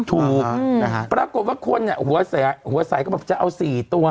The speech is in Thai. ถูกอืมนะฮะปรากฏว่าคนอ่ะหัวแสหัวใสก็บอกจะเอาสี่ตัว